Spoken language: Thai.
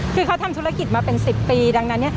คือเขาทำธุรกิจมาเป็น๑๐ปีดังนั้นเนี่ย